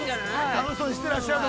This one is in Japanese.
◆楽しそうにしていらっしゃって。